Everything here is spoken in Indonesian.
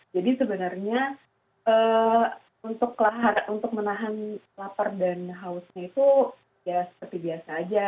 jadi sebenarnya untuk menahan lapar dan hausnya itu seperti biasa saja